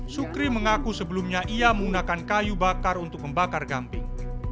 sukri mengaku sebelumnya ia menggunakan kayu bakar untuk membakar gamping